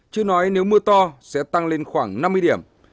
chưa nói nếu mưa to sẽ tăng lên khoảng năm mươi điểm